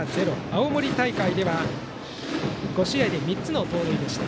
青森大会では５試合で３つの盗塁。